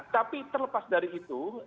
tapi terlepas dari itu